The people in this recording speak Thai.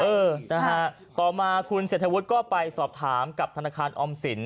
เออต่อมาคุณเสธวุฒิไปสอบถามกับธนาคารออมสิน